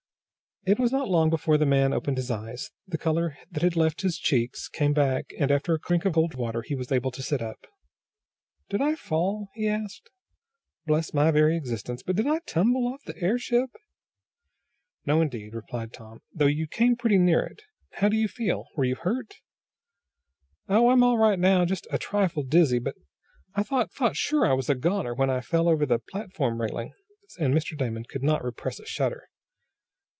It was not long before the man opened his eyes. The color that had left his cheeks came back, and, after a drink of cold water he was able to sit up. "Did I fall?" he asked. "Bless my very existence, but did I tumble off the airship?" "No indeed," replied Tom, "though you came pretty near it. How do you feel? Were you hurt?" "Oh, I'm all right now just a trifle dizzy. But I thought sure I was a goner when I fell over the platform railing," and Mr. Damon could not repress a shudder.